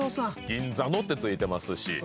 「銀座の」って付いてますし。